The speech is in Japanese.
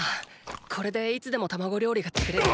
これでいつでも卵料理が作れるな。